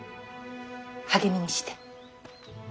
励みにして。